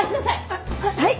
あっはい！